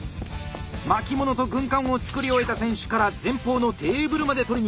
巻物と軍艦を作り終えた選手から前方のテーブルまで取りに行きます。